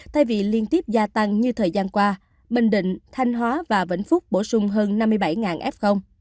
thay vì liên tiếp gia tăng như thời gian qua bình định thanh hóa và vĩnh phúc bổ sung hơn năm mươi bảy f